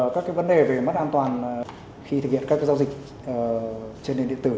các vấn đề về mất an toàn khi thực hiện các giao dịch trên điện điện tử